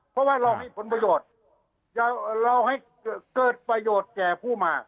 เพราะว่าเรามีผลประโยชน์เราให้เกิดประโยชน์แก่ผู้มา